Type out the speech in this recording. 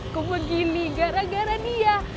kok begini gara gara dia